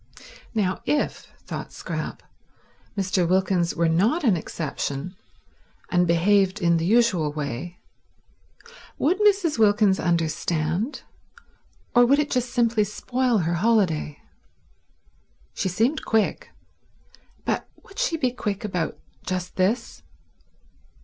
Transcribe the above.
Now if, thought Scrap, Mr. Wilkins were not an exception and behaved in the usual way, would Mrs. Wilkins understand, or would it just simply spoil her holiday? She seemed quick, but would she be quick about just this?